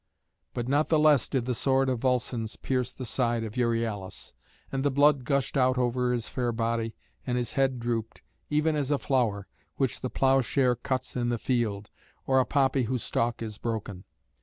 But not the less did the sword of Volscens pierce the side of Euryalus; and the blood gushed out over his fair body, and his head drooped, even as a flower, which the ploughshare cuts in the field, or a poppy whose stalk is broken.